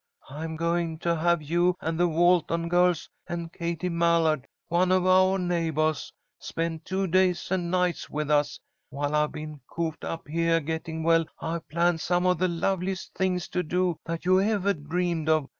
I'm going to have you and the Walton girls and Katie Mallard, one of our neighbahs, spend two days and nights with us. While I've been cooped up heah getting well, I've planned some of the loveliest things to do that you evah dreamed of.